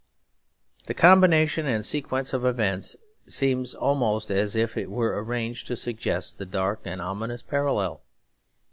The combination and sequence of events seems almost as if it were arranged to suggest the dark and ominous parallel.